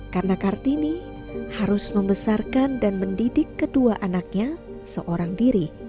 karena kartini harus membesarkan dan mendidik kedua anaknya seorang diri